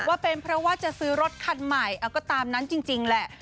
ว่าเป็นเพราะว่าจะซื้อรถคันใหม่เอาก็ตามนั้นจริงแหละ